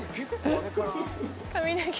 髪の毛。